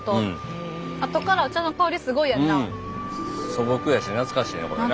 素朴やし懐かしいねこれな。